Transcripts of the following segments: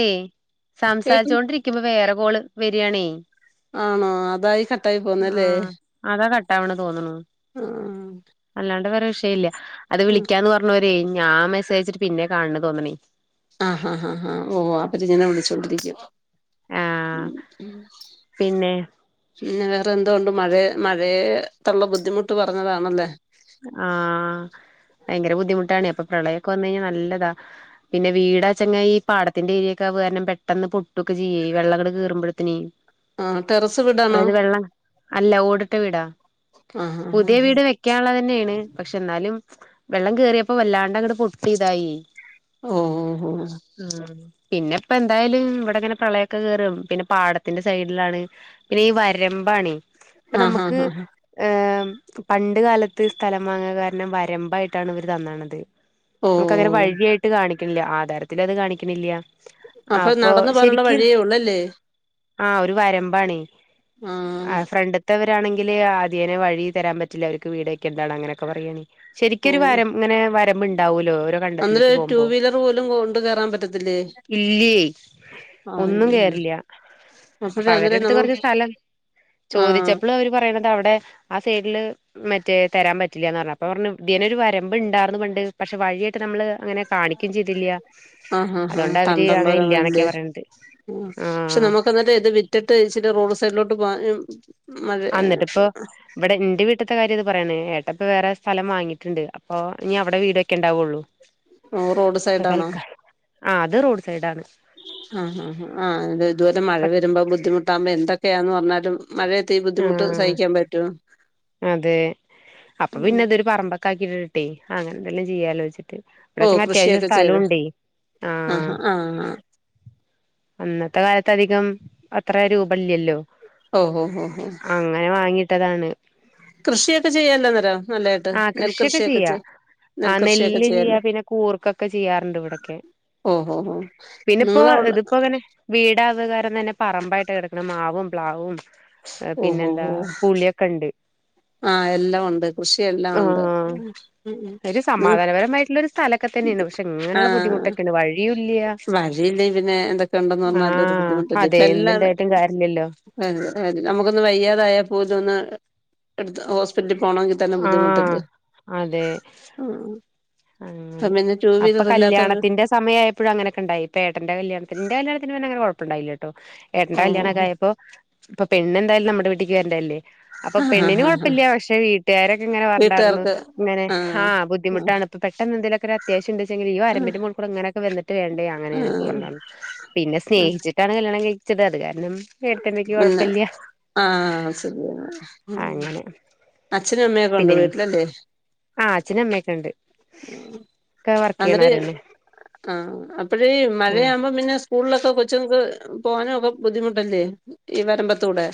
ഏയ് കേക്കും സംസാരിച്ചോണ്ടിരിക്കുമ്പോ വേറെ കോള് വെരിയാണേ ആണോ അതായി കട്ടായി പോന്നേ ല്ലേ ആഹ് അതാ കട്ടാവണ് തോന്നണു ആഹ് ആഹ് അല്ലാണ്ട് വേറെ വിഷയില്ല അത് ഉം വിളിക്കാന്ന് പറഞ്ഞ് ള്ളോരെ ഞാൻ മെസേജ് അയച്ചിട്ട് പിന്നെയാ കാണണെ തോന്നണെ ആഹ് ആഹ് ഓഹ് അവര് ഇങ്ങനെ വിളിച്ചോണ്ടിരിക്കും ആഹ് ഉം ഉം പിന്നെ പിന്നെ വേറെ എന്തോണ്ട് മഴയ മഴയെതൊള്ള ബുദ്ധിമുട്ട് പറഞ്ഞതാണല്ലേ ആഹ് ഭയങ്കര ബുദ്ധിമുട്ടാണെ അപ്പൊ പ്രളയൊക്കെ വന്ന് കഴിഞ്ഞാ നല്ല ഇതാ പിന്നെ വീടാച്ചെങ്ങാ ഈ പാടത്തിന്റെ ഏരിയൊക്കാവ കാരണം പെട്ടന്ന് പൊട്ടൊക്കെ ചെയ്യേ ഈ വെള്ളം ഇങ്ങട് കേറുമ്പഴ്ത്തിനെ ആഹ് ടെറസ് വീടാണോ അതായത് വെള്ളം അല്ല ഓടിട്ട വീടാ ആഹ് ആഹ് പുതിയ ആഹ് വീട് വെക്കാനുള്ളത് തന്നെയാണ് പക്ഷെ എന്നാലും വെള്ളം കേറിയപ്പോ വല്ലാണ്ട് അങ്ങട് പൊട്ടി ഇതായിയേ ഓ ഓ ആഹ് പിന്നെപ്പൊ എന്തായാലും ഇവിടെങ്ങനെ പ്രളയൊക്കെ കേറും പിന്നെ പാടത്തിന്റെ സൈഡിലാണ് പിന്നെ ഈ വരമ്പാണേ ഇപ്പ ആഹ് ഹാ നമ്മക്ക് ഹാ ഹാ ഈ പണ്ട് കാലത്ത് സ്ഥലം വാങ്ങിയകാരണം വരമ്പായിട്ടാണ് ഇവര് തന്നണെത് ഓ നമ്മക്ക് അങ്ങനെ വഴിയായിട്ട് യിട്ട് കാണിക്കണില്ല ആധാരത്തിൽ അത് കാണിക്കണില്ല അപ്പൊ നടന്നു പോകാനുള്ള വഴിയേ ഉള്ളൂ അല്ലേ ആഹ് ഒരു വരമ്പാണെ ആഹ് ഫ്രണ്ട് ത്തവരാണെങ്കില് അതിയേനെ വഴി തരാൻ പറ്റില്ല അവർക്ക് വീട് വെക്കേണ്ടതാണ് അങ്ങനെയൊക്കെ പറയാണെ ഓ ശെരിക്കൊരു വര ഇങ്ങനെ വരമ്പ്ണ്ടാവൂല്ലോ ഓരോ കണ്ടത്തിലേക്ക് അന്നേരം ടു പോകുമ്പോ വീലർ പോലും കൊണ്ട് കേറാൻ പറ്റത്തില്ലേ ഇല്ലേയ് ഒന്നും അയ്യോ കേറില്ല അപ്പൊ അപ്പഴേ അവര്ടെ അന്നേരം അടുത്ത് നമ്മ കൊറച്ച് സ്ഥലം ആഹ് ചോദിച്ചപ്പഴും അവര് പറയണത് അവിടെ ആ സൈഡില് മറ്റേ തരാൻ പറ്റില്ലാന്ന് പറഞ്ഞു അപ്പോ പറഞ്ഞു ഇതിയെനെയൊരു വരമ്പ് ഇണ്ടാർന്നു പണ്ട് പക്ഷെ വഴിയായിട്ട് നമ്മള് അങ്ങനെ കാണിക്കും ചെയ്തില്ല. ആഹ് ഹാ അതോണ്ട് അവര് അങ്ങനെ ഇല്ല ന്നൊക്കെ പറയണത്. ഓ പക്ഷെ, ആഹ് നമ്മുക്ക്ന്നട്ട് ഇത് വിറ്റിട്ട് ഇച്ചരി റോഡ് സൈഡിലോട്ട് പോകാനും. ആഹ്, ന്നിട്ട് പ്പൊ? ഇവിടെ ന്റെ വീട്ത്തെ കാര്യം ഇത് പറണത്. ഏട്ട പ്പൊ വേറെ സ്ഥലം വാങ്ങിയിട്ടുണ്ട്. അപ്പൊ, ഞ്ഞി അവിടെ വീട് വെക്കെണ്ടാവുള്ളു. ഓ റോഡ് ഇപ്പൊ സൈഡാണോ തൽക്കാലം. ആഹ്, ത് റോഡ് സൈഡാണ്. ആഹ്, ആഹ്, ആഹ് ഇതുവരെ മഴ വരുമ്പോ ബുദ്ധിമുട്ടാകുമ്പോ, എന്തൊക്കെയാന്ന് പറഞ്ഞാലും. മഴയത്ത് ഈ ബുദ്ധിമുട്ട് ആഹ് സഹിക്കാ- പറ്റൊ? അതെ, അപ്പൊ പിന്നെ തൊരു പറമ്പൊക്ക ആക്കിട്ടിട്ടേ. അങ്ങനെ ന്തെങ്കിലും ചെയ്യാലോച്ചിട്ട്. ഇവിട ഓ ചെങ്കി അത്യാവശ്യം കൃഷിയൊക്കെ സ്ഥലും ചെയ്ത് ണ്ടേയ്, ആഹ്... അന്നത്തെ കാലത്ത് അധികം അത്ര രൂപല്ലല്ലോ? ഓഹ്, ഓഹ്, ഓഹ് അങ്ങനെ വാങ്ങിട്ടതാണ്. കൃഷിയൊക്കെ ചെയ്യാല്ലന്നേരം. നല്ലായിട്ട് കൃഷിയൊക്കെ നെൽകൃഷിയൊക്കെ ചെയ്യാ ചെയ. ആഹ്, നെല്ല് ചെയ്യാ. പിന്നെ കൂർക്കൊക്ക ചെയ്യാറുണ്ട് വിടക്കെ. ഓഹ്, ഹോ, ഹോ നിങ്ങളവിട വീടാവകാരം തന്നെ പറമ്പായിട്ട് കിടക്കണം മാവും, പ്ലാവും ഓഹ് ഓഹ് പിന്നെന്താ, ഓഹ് പുളിഒക്ക ണ്ട്. ആഹ്, എല്ലാം ഉണ്ട്. കൃഷിയെല്ലാം. ഉണ്ട് ഇതേ മായിട്ടുളരു സ്ഥലൊക്കെ തന്നെയാണ്. പക്ഷെ ഇങ്ങനെയുള്ള ബുദ്ധിമുട്ടൊക്കെയാണ്, വഴിയുംല്യ. വഴിയില്ലെങ്കിൽ പിന്നെ, എന്തൊക്കെ ണ്ടന്ന് പറഞ്ഞാലും ഒരു ആഹ് ബുദ്ധിമുട്ട ല്ലേ? അതെ ചെല്ല എന്തുണ്ടായിട്ടും കാര്യല്ലല്ലോ അതെ, അതെ, നമുക്കൊന്ന് വയ്യാതായാ പോലും, ഒന്ന് എടുത്ത് ഹോസ്- പിറ്റലിൽ പോണങ്കി തന്നെ ആഹ് ബുദ്ധിമുട്ടല്ലേ? അതെ പ്പൊ, പിന്നെ, ടു വീലർ ഇല്ലാത്ത വീ എന്റെ സമയാഴപ്പോ അങ്ങനെയൊക്ക ണ്ടായി. ഇപ്പൊ ഏട്ടന്റെ കല്യാണത്തിന് ന്റെ കല്യാണത്തിന് പിന്നെ അങ്ങനെ കൊഴപ്പണ്ടായില്ല. ട്ടോ? ഏട്ടന്റെ ഓ കല്യാണം ഒക്കെ ഓ ആയപ്പോ, ഇപ്പൊ പെണ്ണ് ന്തായാലും നമ്മുടെ വീട്ടിക്ക് വരണ്ടതല്ലേ? അപ്പൊ ആ ആ പെണ്ണിന് ആ ആ കൊഴപ്പല്ല. പക്ഷെ വീട്ടുകാരൊക്കെ ഇങ്ങനെ പറഞ്ഞിണ്ടായിരുന്നു. വീട്ടുകാർക്ക് ഇങ്ങനെ ആ ആഹ് ആ ബുദ്ധിമുട്ട്. ട്ടാണ് പ്പൊ പെട്ടന്ന് ന്തെങ്കിലൊക്കെ അത്യാവശ്യം ണ്ട്ച്ചെങ്കിൽ ഈ ആ വരമ്പിന്റെ മോൾക്കൂടെ ങ്ങനൊക്കെ വന്നിട്ട് വേണ്ടേ? ആ അങ്ങനെയാണ് ന്നൊക്കെ പറഞ്ഞക്കാണ്ട് പിന്നെ ആ സ്നേഹിച്ചിട്ടാണ് കല്യാണം കഴിച്ചത്. അത് കാരണം ഏട്ത്തിയമ്മക്ക് പിന്നെ കൊഴപ്പല്യ, ആ ശരിയാണ് ഉം അങ്ങനെ അച്ഛനും അമ്മയൊക്കെ ഉണ്ട് പിന്നെ, വീട്ടിലല്ലേ ആഹ്, അച്ഛനും അമ്മക്കെണ്ട്. അന്നിട്ട്, ആഹ്, അപ്പഴേ ആഹ് മഴയാവുമ്പോ പിന്നെ, സ് സ്കൂളിലൊക്കെ കൊച്ചുങ്ങക്ക് പോകാനും ഒക്കെ ബുദ്ധിമുട്ടല്ലേ. ഈ വരമ്പത്തൂടെ.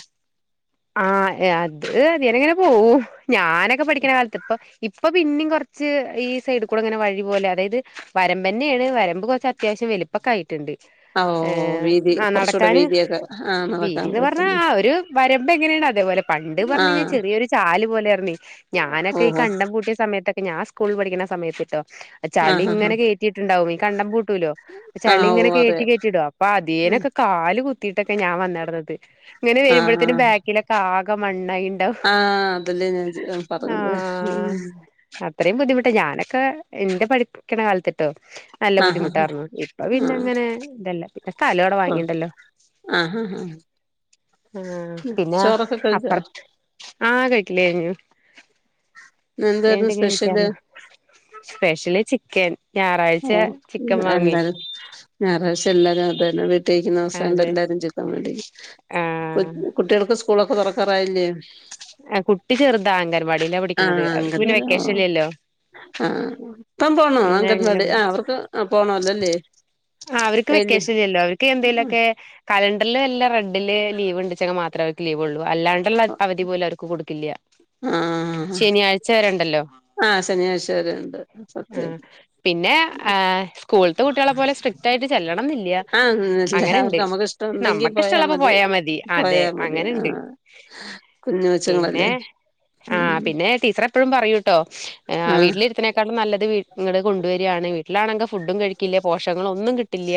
ആഹ്, അത് അങ്ങനെ ങ്ങനെ പോകും. ഞാനൊക്കെ പഠിക്കണ കാലത്ത്, ഇപ്പൊ. ഇപ്പൊ പിന്നിം കുറച്ച് ഈ സൈഡ കൂടെ ഇങ്ങനെ വഴി പോലെ അതായത്. വരമ്പ ന്നെയാണ് വരമ്പ് കുറച്ച് അത്യാവശ്യം വെലിപ്പക്ക ആയിട്ടുണ്ട്. ഓ ഏ വീതി ന കുറച്ചൂടെ നടക്കാന് വീതിയൊക്കെ ആ വീട് നടക്കാൻ ന്ന് പറഞ്ഞാ പറ്റുന്ന ആഹ്. ഒരു വരുമ്പ ങ്ങനെയാണ്, അതേപോലെ പണ്ട് ആ പറഞ് കഴിഞ്ഞാ, ചെറിയൊരു ചാല് പോലെ യാർന്ന്. ഞാനൊക്കെ ഈ ഓഹോ കണ്ട കൂട്ടിയ സമയത്തൊക്കെ, ഞാ സ്കൂളി ൽ പഠിക്കുന്ന സമയത്ത്ട്ടോ? ചളി ആഹ് ആഹ് ഇങ്ങനെ കേട്ടിട്ടുണ്ടാവും. ഈ കണ്ടം പൂട്ടൂലോ? അപ്പ ആ ചളി ഓ ഇങ്ങനെ അതെ കേട്ടി, കേട്ടി ടും. അപ്പൊ അതേനൊക്കെ കാല് കുത്തിയിട്ടൊക്കെ ഞാൻ വന്നിടന്നത്. ഇങ്ങനെ ആ വരുമ്പോഴ ത്തിന് ബാക്കിലൊക്കെ ആകെ- മണ്ണായിണ്ടാവും. ആ അതല്ലേ ഞാൻ ചോ- പറഞ്ഞത് ആഹ് അത്രയും ബുദ്ധിമുട്ടാ. ഞാനൊക്കെ എന്റെ പഠിക്കണ കാലത്തിട്ടോ? നല്ല ആഹ് ബുദ്ധിമുട്ടായിർന്നു. ഇപ്പ പിന്ന ആഹ് ങ്ങനെ ഇതല്ല. പിന്നെ സ്ഥലം വിടെ ആ വാങ്ങിണ്ടല്ലോ. ആഹ്, ഹ, ഹ, ഹ ആഹ്, പിന്നെ, കഴിച്ചോ അപ്പറത്ത് ആഹ് കട്ടില്ല കയിഞ്. എന്തായിരുന്നു വണ്ടെങ്ക സ്പെഷ്യല് [unintelligible] സ്പെഷ്യലി ചിക്കൻ ഞായറാഴ്ച ചിക്കൻ വാങ്ങി ഞായറാഴശ്യം എല്ലാരും അതന്നെ വീട്ടിൽ കഴിക്കുന്നദിവസം അതെ എല്ലാരും ചീക്കൻ വേണ്ടി കൊ ആഹ് കുട്ടികൾക്ക് സ്കൂളൊക്കെ തുറക്കാറായില്ലേ? ആഹ്, കുട്ടി ചെറുതാ അംഗൻവാടില്ലാ ആ പടിക്ന്നത് അവർക്ക് പിന്നെ അംഗൻവാടി ഓ വെക്കേഷൻ ഇല്ല ല്ലോ? ആ ഇപ്പം പോണോ അങ്കൻവാടി, ആഹാ അവർക്ക് പോണല്ലോല്ലേ? ആഹാ അവർക്ക് വെക്കേഷൻ ഇല്ലല്ലോ? അവർക്ക് ആ എന്തേലുമൊക്കെ- കലണ്ടറിൽല്ല റെഡില് ലീവ്- ഉണ്ടിച്ചെങ്കിൽ മാത്രമ അവർക്ക് ലീവ് ഉള്ളൂ, അല്ലാണ്ട്- ള്ള അവധി പോലും അവർക്ക് കൊടുക്കില്ല, ആഹ് ശനിയാഴ്ച വരെണ്ടല്ലോ. ആഹ് ശനിയാഴ്ച വരെ ഉണ്ട് സത്യം ആഹാ പിന്നെ ആഹാ സ്കൂളത്തെ കുട്ടികളെ പോലെ സ്ട- ട്ടായിട്ട് ചെല്ലണം എന്നില്ല. ആഹ് അങ്ങനെണ്ട് എല്ലാവർക്കും നമുക്ക് ഇഷ്ടമുണ്ടെങ്കി നമ്മുക്ക്ഷ്ടമുള്ളപ്പോ പോയാ മതി. അതെ പോയാ മതി അങ്ങനെണ്ട്, ആഹ് കുഞ്ഞു പിന്നെ കൊച്ചുങ്ങളല്ലേ ആഹാ ഉം പിന്നെ, ടീച്ചർ എപ്പോഴും പറയൂ കേട്ടോ, ആഹ് വീട്ടിലിരുന്ന് - നല്ലത് കൊണ്ടുവരികയാണ്, വീട്ടിലാണങ്കിൽ ഫുഡും കഴിക്കില്ല പോഷങ്ങളും- ഒന്നും കിട്ടില്ല,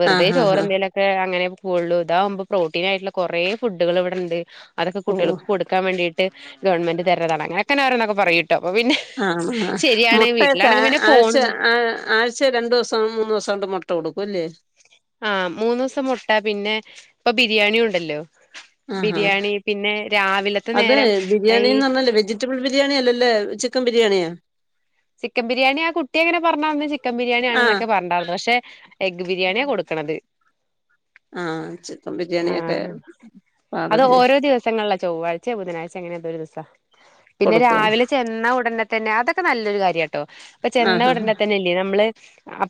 വെറുതെ ആഹ് ആഹ് ആഹ് ചോറെന്തേല- അങ്ങനെ പോള്ളൂ, ഇതാകുമ്പോ പ്രോട്ടീൻ ആയിട്ടുള്ള കുറേ- ഫുഡുകൾ ഇവിടെണ്ട് അതൊക്കെ, ഓഹ് കുട്ടികൾക്ക് കൊടു ാൻ വേണ്ടീയിട്ട് ഗവൺമെന്റ് തരടാണ്ങ്ങനെങ്ങനെ- അവരൊക്കെ പറയും കേട്ടോ അപ്പ പിന്നെ, ആഹ് ആഹ് ശരിയാണ് വീട്ടിലാണെങ്കിൽ പിന്നെ പോണ- പക്ഷേ രണ്ട് ദിവസം, മൂന്ന് ദിവസ കൊണ്ട് മുട്ട കൊടുക്കുംല്ലേ? ആഹ മൂന്നു ദിവസം മുട്ട പിന്നെ ഇപ്പൊ ബിരിയാണിയ ഉണ്ടല്ലോ. ആഹ് ആഹ് ബിരിയാണി പിന്നെ രാവിലത്തെ നേരം ഈ- റ്റബിൾ ബിരിണിയല്ലേ, ചിക്കൻ ബിരിയാണിയാ. ചിക്കൻ ബിരിയാണി ആ കുട്ടി അങ്ങനെ പറഞ്ഞന്ന ചിക്കൻ- ബിരിയാണി ആണ് ആഹ് എന്നൊക്കെ പറഞ്ഞണ്ടായിരുന്നു. പക്ഷെ, എഗ് ബിരിയാണിയാ കൊടുക്കണത്. ആഹ ചിക്കൻ ബിരിയാണിയൊക്കെ പാടല്ലേ. ദിവസങ്ങള ചൊവ്വാഴ്ച, ബുധനാഴ്ച അങ്ങനെന്ത ഒരു ദിവസം. പിന്നെ കൊടുക്കും രാവിലെ- ചെന്ന ഉടനെ തന്നെ അതൊക്കെ- നല്ലൊരു കാര്യം കേട്ടോ, അപ്പോ ചെന്ന ആഹ് ഉടനെ തന്നെ- നമ്മ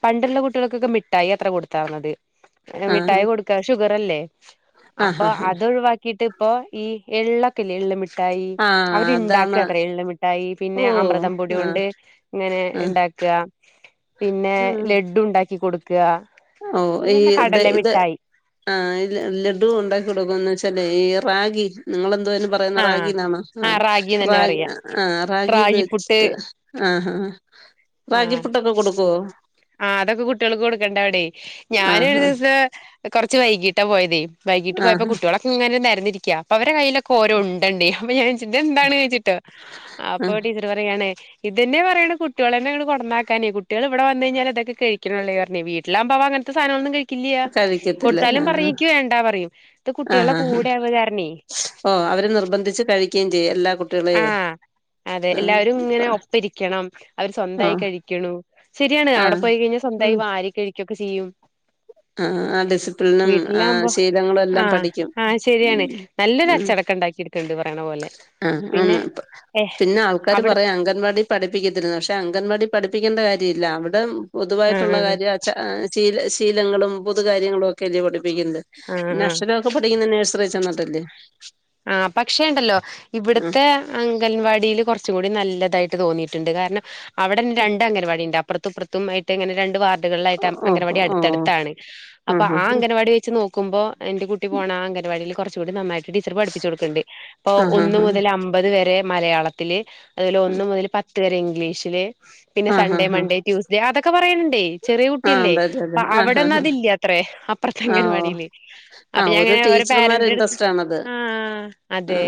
പണ്ടുള്ള കുട്ടികൾക്കൊക്കെ, മിഠായി അത്ര കൊടുത്ത ആഹ് ആഹ് മിഠായി. ഷുഗർല്ലേ ആഹ് അപ്പൊ ആഹ് ആഹ് അത്ഒഴിവാക്കിട്ട് ഇപ്പ ഈ എള്ളക്കല്ല എിട്ട- മിട്ടായി ആഹ് അവര്ണ്ടാക്കുക അതാണ് അത്രേ, എള്ളൂ മിഠായി ഓ പിന്നെ, അമൃതം പൊടി ആഹ് കൊണ്ട്- അങ്ങനെ ആഹ് ഉണ്ടാക്കുക പിന്നെ ലഡു ഉണ്ടാക്കി കൊടുക്ക. പിന്നെന്താ കടല മിട്ടായി. ആഹ ലഡു ഉണ്ടാക്കി കൊടുക്കുംന്ന്, വെച്ചല് ഈ റാഗി. നിങ്ങളെന്തോ പറയുന്ന ആഹ് റാഗിന്നാണോ ആഹാ, ആഹ് റാഗിന്നന്നെ റാഗ പറയാ ആഹാ റാഗിന്ന് റാഗിപ്പുട്ട് വെച്ചിട്ട്, ആഹാ ആഹാ രാഗിപ്പുട്ടൊക്കെ കൊടുക്കുവോ. ആഹ അതൊക്കെ കുട്ടികൾക്ക് കൊടുക്കണ്ട അവിടെ ഞാനൻ ഒരു, ആഹ് ദിവസം കൊറച്ച് വൈകീട്ടാ പോയതേ. വൈകീട്ട് പോയപ്പോ- ആഹ് കുട്ടികളൊക്കെ ഇങ്ങനെ തരുന്നിരിക്കുക. അപ്പ അവടെ കയ്യിലൊക്കെ ഓരോ ഉണ്ടണ്ട്, ഞാൻ എന്താണ് ചോച്ചിട്ട് അപ്പ. ആഹ് പറേ ഇത്തന്നെ പറയാണ് കുട്ടികള തന്നെ ഈ കൊറന്നാക്കാനേ, കുട്ടികൾ ഇവിടെ- മുന്നേ ഞാൻ അതൊക്കെ കഴിക്ക്ണാല്ലേ, പറഞ്ഞെ വീട്ട്ലാവ്മ്പോ അങ്ങൻത്തൊസാനങ്ങളൊന്നും- കഴി- ക്കി കഴിക്കത്തില്ല കൊട്ത്താലും ആഹ് പറയും, ക്കി വേണ്ടാ പറയും ഇത് ആഹ് കുട്ട്യാളെ- ആഹ് കൂടെയാവണ കാരണെ. ഓ അവര് നിർബന്ധിച്ച് കഴിക്കേ, ചെയ്യും എല്ലാ കുട്ടികളെ, ആഹ് അതെ എല്ലാവരുംങ്ങനെ ഒപ്പരിക്കണം അവർ സ്വന്തായി ആഹ് കഴിക്കണം. ശെര്യാണ്, അവ്ടെ ആഹ് പോയി കഴിഞ്ഞാൽ ഉം സ്വന്തായി വാരി- കഴിക്കൊക്കെ ചെയ്യും. അ ആ ഡിസിപ്ലിനും, ആ ശീലങ്ങളും എല്ലാം പഠിക്കും. ശെരിയാണ് ഉം നല്ലൊരു അച്ചടക്കം ണ്ടാക്കിട്ണ്ട് പറിണ പോലെ. ആഹാ പിന്നെ ആഹാ ഏഹ് പിന്നെ ആൾക്കാര് അവിടെ പറയാ അംഗൻവാടി- പഠിപ്പിക്കത്തില്ല പക്ഷെ അംഗൻവാടി പഠിപ്പിക്കേണ്ട കാര്യയില്ല, അവ്ടെ പൊതുവായിട്ടുള്ള ആഹ് കാര്യം- ച്ച ശീല ശീലങ്ങളും പൊതു- കാര്യങ്ങളും ഒക്കെ അല്ലേ, പഠിപ്പിക്കുന്നുണ്ട് ആഹ് പിന്നെ ആഹ് അക്ഷരൊക്കെ. ഫ്രീ ന്ന് നഴ്സറി ചെന്ന്ട്ട്ല്ലേ. ആഹ് പക്ഷേണ്ടല്ലോ ആ ഇവ്ട്ത്തെ, അംഗൻവാടീൽ കൊർച്ചും കൂടി- നല്ലതായിട്ട് തോന്നിട്ട്ണ്ട് കാരണം, അവ്ടെന്നെ രണ്ട് അംഗൻവാടിണ്ട- അപ്പർത്തും, ഇപ്പർത്തും മായിട്ട്ങ്ങനെ രണ്ട് വാർ- ഡ് കൾലായിട്ട് ഓ അങ്കൻവാടി ഓ അടുത്തടുത്താണ് ആ അപ്പോ, ഹാ ആഹാ ഹാ അങ്കൻവാടി വെച്ച് നോ- ക്കുമ്പോ എന്റെ കുട്ടി പോണ ആഹാ അങ്കൻവാടിൽ കൊർച്ചുകൂടി- നായിട്ട് ടീച്ചർ പ- പ്പിചൊട്ക്കെണ്ടി ഇപ്പൊ ആ ഹാ ഒന്നു ഹാ മുതൽ അമ്പത് വരെ മലയാളത്തില് അതില് ഒന്ന് മുതൽ പത്ത് ത്ത് വരെ ഇംഗ്ലീഷില് പിന്നെ ആ ഹാ സൺഡേ ഹാ മൺഡേ ട്യൂസ്ഡേ അതൊക്കെ പറയണ്ണ്ടെ ചെറിയ ആ കുട്ടിയല്ലേ അതെ അതെ അതെ അപ്പൊ ആ ഹാ ഹാ അവടന്നതില്ലാത്രെ അപ്പർത്തെ ആ ഓ അംഗൻവാടില് ആ അപ്പൊ ഓരോ ഞാൻങ്ങനെ ഒരോ ടീച്ചർമാരെ പോരന്റട്ത്ത് ഇൻട്രസ്റ്റ് ആണത് ആഹ് ആ അതെ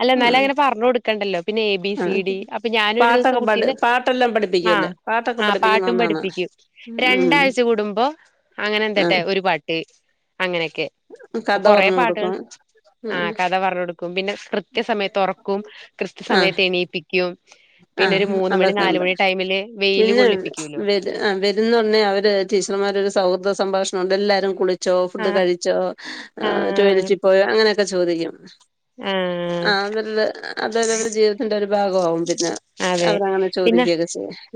അല്ല ആ ന്നാലും അങ്ങനെ പറഞൊട് ക്കണ്ടല്ലോ പിന്നെ എ ബി ആ സി ഡി അപ്പൊ ഞാനൊരു ദിവസം പാട്ടൊക്കെ പഠി കുട്ടിന്റെ പാട്ടെല്ലാം ആഹ് പഠിപ്പിക്കുവല്ലേ പാട്ടൊക്കെ ആന് പഠിപ്പിക്കുന്ന പാട്ടും ഒന്നാണ് പഠിപ്പിക്കും ഉം രണ്ടാഴ്ച കൂടുമ്പോ അങ്ങനെ എന്തട്ടെ ഒരു പാട്ട് ട്ട് അങ്ങനെക്കെ ഉം കഥ പറഞൊട്ക്കും ഉം ആഹ് ഉം കഥ പറഞ്ഞു കൊടുക്കും പിന്നെ ആഹ് കേപിക്കും ആഹ് അതൊക്കെണ്ട് വെയില് പിന്നെ കൊള്ളിപ്പിക്കൂല്ലോ അന് വരുന്നൊട്ണേ അവര് ടീച്ചർമാരൊരു സൗഹൃദ സംഭാഷണം ഉണ്ട് എല്ലാരും കുളി ച്ചോ ഫുഡ് ആഹ് കഴിച്ചോ ആഹ് ടോയ്ലറ്റി പോയോ അങ്ങനെക്കെ ചോദിക്കും ആഹ് അതല്ല അതല്ലാവരെ ജീവിതത്തിന്റെ ഒരു ഭാഗമാവും പി അതെ പിന്നെ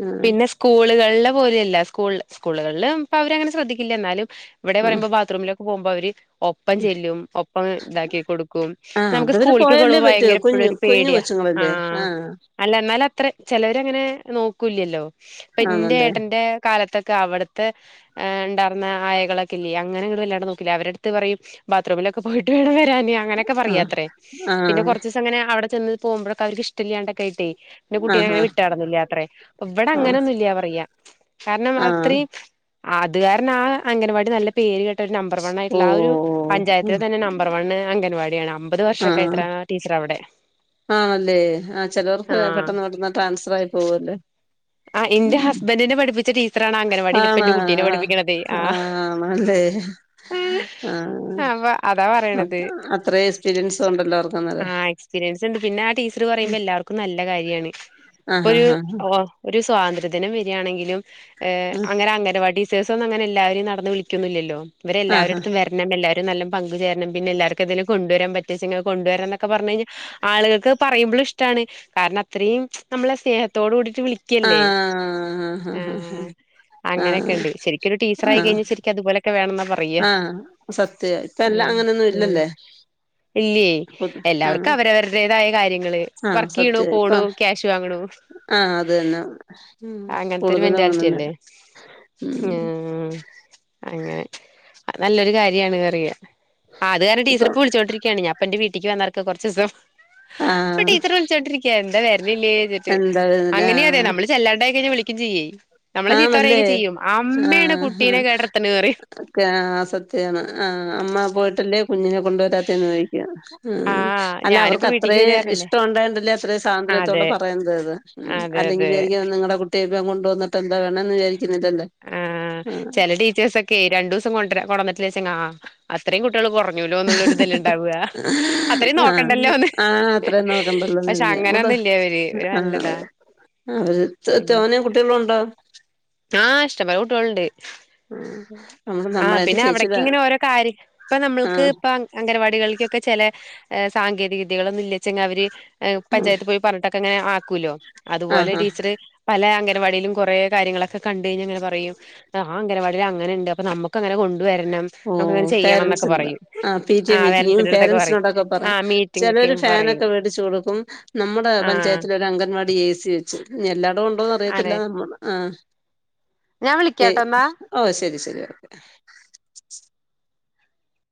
ആഹ് പിന്നെ സ്കൂള്കൾലെ പോലെയല്ല സ്കൂൾ സ്കൂള്കൾല് ഇപ്പ അവരങ്ങനെ ശ്രദ്ധിക്കില്ല ന്നാലും ഇവടെ ആഹ് പറിമ്പോ ബാത്റൂമിലൊക്കെ പോകുമ്പോ അവര് ഒപ്പം ചെല്ലും ഒപ്പം ഇതാക്കി കൊടുക്കും ആഹ് നമുക്ക് അതവര് സ്കൂളിക്കൊക്കെ പോയല്ലേ വിടുമ്പോ പറ്റൂ ഭയങ്കര ഇപ്പഴും കുഞ്ഞു ഒരു കുഞ്ഞു പേടിയാ കൊച്ചുങ്ങളല്ലേ ആഹ് അല്ല ഇന്നാല ത്ര ചെലോരങ്ങനെ നോക്കൂല്ലല്ലോ ഇപ്പ ഇന്റെ ആണല്ലേ ഏട്ടന്റെ കാലത്തൊക്കെ അവടത്തെ ണ്ടാർന്ന അയകളൊക്കില്ലേ അങ്ങനങ്ങട്ട് വല്ലാണ്ട് നോക്കില്ല അവരട്ത്ത് പറയും ബാത്റൂമിലൊക്കെ പോയിട്ട് വേണം വരാന് അങ്ങനെക്കെ ആഹ് പറയാത്രേ പിന്നെ ആഹ് കൊർച്ച്സ് പ്പങ്ങനെ അവടെ ചെന്ന് പോവുമ്പോയൊക്കെ അവർക്ക് ഇഷ്ട ല്ലാണ്ടൊക്കായിട്ടേ എന്റെ കുട്ടീനെ ആഹ് അങ്ങനെ വിട്ടാറൊന്നില്ലാത്രേ ഒ ഇവടെ ആഹ് അങ്ങനൊന്നുംല്യാ പറയാ കാരണം ആഹ് അത്ര അത് കാരണം ആഹ് അംഗൻവാടി നല്ല പേര് കേട്ട ഒരു നമ്പർ വൺ ആയിട്ട്ള്ള ആഹ് ഒരു ഓഹ് പഞ്ചായത്തിലെ തന്നെ നമ്പർ വണ്ണ് അംഗൻവാടിയാണ് അമ്പത് വർഷൊക്കായിത്ര ആഹ് ടീച്ചർ അവടെ ആണല്ലേ ആഹ് ചേലോർക്ക് ആഹ് പെട്ടന്ന് പെട്ടെന്ന് ട്രാൻസ്ഫർ ആയി പോക്ണ്ട് ആഹ് ഇന്റെ ഹസ്ബന്റിനെ പഠിപ്പിച്ച ടീ ആന്നോ ആഹ് ആ ആഹ് ആണ്ല്ലേ ആഹ് അപ്പൊ അതാ അ പറയണത് അത്ര എക്സ്പീരിയൻസ് ഉണ്ടല്ലോ അവർക്ക് അന്നേരം ആഹ് എക്സ്പീരിയൻസ്ണ്ട് പിന്നെ ആഹ് ടീച്ചർ പറയുമ്പോ എല്ലാവർക്കും നല്ല കാര്യാണ് ഇപ്പൊ ആഹ് ഒരു ആഹ് ഒ ഒരു സ്വാതന്ത്ര്യദിനം വെരാണെങ്കിലും ഏ അങ്ങനെ അംഗനവാടി ചേസൊന്നും അങ്ങനെ എല്ലാവരും നടന്ന് വിളിക്യോന്നുല്ലല്ലോ ആഹ് ഇവരെല്ലാവരട്ത്തും വര പിണം എല്ലാരും നല്ല പഗ് ചേരണം പിന്നെ എല്ലർക്കും അതി കൊണ്ടുവരാ പറ്റചങ്കിൽ അഹ് കൊണ്ടു വര് [unintelligible] ക്കെ പറഞ്ഞ് കഴിഞ്ഞാൽ ആളുകൾക്ക് പറയുമ്പോഴും ഇഷ്ടമാണ് കാരണം അത്രയും നമ്മളെ സ്നേഹ ത്തോട് കൂടിട്ട് വിളിക്കല്ലേ ആഹ് അങ്ങനൊക്കെ ആഹ് ഇണ്ട് ശരിക്കരു ടീച്ചറായി ആഹ് കിഞ്ഞാ ശരിക് അത് പോലെ വേണെന്ന പറഞ്ഞ പ്രിയ ആഹ് സത്യ ഇപ്പ എല്ലാം അഹ് അങ്ങനൊന്നും അഹ് ഇല്ലല്ലേ ഇല്ലെ ആഹ് എല്ലാവർക്കും അവരവരുടേതായ കാര്യങ്ങള് ആഹ് വർക്കെയ്യ്ണു സത്യ ഇപ്പ പോണു ക്യാഷ് വാങ്ങ്ണു ആഹ് അത് തന്നെ ഉം അങ്ങൻത്തൊരു കൂടുതലും മെന്റാലിറ്റി അങ്ങനെന്നെ അല്ലേ ആഹ് ഉം അങ്ങനെ അത് നല്ലൊരു കാര്യാണ് റിയ ആഹ് അത് കാരണം ടീച്ചറ് ഇപ്പം ഇപ്പൊ വിളിച്കോണ്ടിരിണ് ഞാപ്പന്റെ വീട്ടിക്ക് വന്നാർക്ക കൊർചീസം പ്പ ആഹ് ടിച്ചറ് വിളിച്ചോണ്ടിരിക്ക എന്താ വരുണില്ലേ ച്ചിട്ട് എന്താ അങ്ങനെയറിയ ആഹ് നമ്മള് ചെല്ലാണ്ടായി കഴിഞ്ഞ വിളിക്കും ചെയ്യേ നമ്മളെ ചീത്താ ആണല്ലേ പറയൊക്കെ ചെയ്യും അമ്മേ ണ് ആഹ് കുട്ടീനെ ആഹ് കേട്ടർത്ത്ണ് പറയും ഒക്കെ അ സത്യാണ് ആന് അമ്മ പോയിട്ടല്ലേ കുഞ്ഞിനെ കൊണ്ട് വരാത്തെന്ന് ചൊയി ഉം ആഹ് അല്ല ഞാനിപ്പോ അവർക്ക് വീട്ടിക്ക് അത്രയും വരാറല്ലേ ഇഷ്ടം ഉണ്ടായിണ്ടില്ലേ അത്രയും സ്വാതന്ത്ര്യത്തോടെ അതെ പറയുന്നത് അത് ഉം അതെ അല്ലെങ്കി വിചാരി അതെ നിങ്ങടെ കുട്ടി [unintelligible] ബം കൊണ്ടുവന്നിട്ട് എന്താ വേണംന്ന് വിചാരിക്കുന്നതല്ലേ ആഹ് ക്കെ രണ്ടു ദിവസം കൊണ്ട ര കൊണ്ടട്ടില്ലച്ചങ്കി ആഹ് അത്രേയും കുട്ടികൾ കുറഞ്ഞൂല്ലോന്നുള്ളരു ഇതല്ലെ ണ്ടാവഅത്രയും നോക്കണ്ടല്ലോന്ന് അത്ര നോക്കാൻണ്ടല്ലെന്ന് പക്ഷെ കാർതി യ ഉട അങ്ങനൊന്നും ഇല്ല ഇവര് ഇവര് ആ നല്ലതാ ആ അവര് തേ അങ്ങനെ തോനെ കുട്ടികളുണ്ടോ ആഹ് ഇഷ്ടം പോലെ കുട്ടികൾ ഇണ്ടേ ആഹ് നമ്മള് ആ നമ്മളെ എന്റെ പിന്നെ അവിടക് ചേച്ചിടെ ഇങ്ങനെ ഓരോ കാര്യ ഇപ്പ നമ്മൾക്ക് ആഹ് ഇപ്പ അംഗനവാടികൾക്കൊക്കെ ചില സാങ്കേതിക വിദ്യകളൊന്നും ഇല്ലച്ചെങ്കൽ അവര് ഹെ പഞ്ചായത്ത് പോയി പറഞ്ഞിട്ടൊക്കെ അങ്ങനെ ആക്കൂല്ലോ ആഹ് അതുപോലെ ആഹ് ടീച്ചർ പല അംഗനവാടിയിലും കൊറേ കാര്യങ്ങളൊക്ക ക്കെ കണ്ടായിന്നാൽ ങ്ങന പറയും ആ അനവാടിൽ അങ്ങന ഉണ്ട് അപ്പൊ നമ്മുങ്ങനെ കൊ വരണം ഓ നമ്മക്കങ്ങനെ ചെയ്യണംന്നെക്കെ പേരൻറ്സിന് പറയും പി ടി എ ആ മീറ്റിങ്ങും വസിന്റെടുക്കെ പറയും പേരൻറ്സിനോടൊക്കെ ആ പറയും മി ചിലര് ഫാനൊക്കെ മേടിച്ചു കൊടുക്കും നമ്മുടെ ആഹ് പഞ്ചായത്തില ഒരു അംഗൻവാടി എ സി വ ച്ചു എല്ലാടും ഇണ്ടോന്ന് അറിയത്തില്ല അതെ നമ്മള് ആ ഞാൻ പെ വിളിക്കാട്ടോ എന്നാ ഓഹ് ശരി ശരി ഓക്കെ